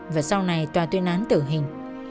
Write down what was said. và sau này tòa tuyên án tử hình